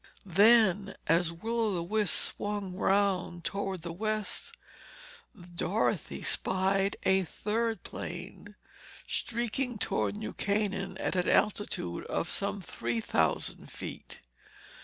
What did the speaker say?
Then as Will o' the Wisp swung round toward the west, Dorothy spied a third plane, streaking toward New Canaan at an altitude of some three thousand feet.